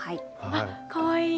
あかわいい。